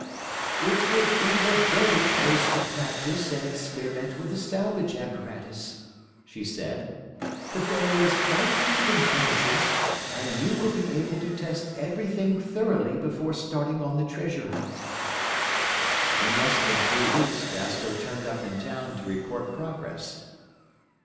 "It will be the very place to practise and experiment with the salvage apparatus," she said; "the bay is quite deep in places, and you will be able to test everything thoroughly before starting on the treasure hunt." In less than three weeks Vasco turned up in town to report progress.